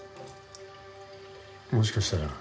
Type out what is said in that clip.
もしかしたら。